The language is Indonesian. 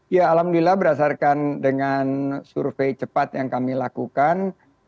ya alhamdulillah berdasarkan dengan survei cepat yang kami lakukan